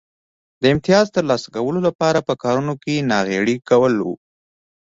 د امیتاز ترلاسه کولو لپاره په کارونو کې ناغېړي کول و